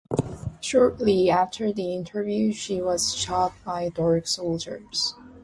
Shortly after the interview she was shot by Derg soldiers.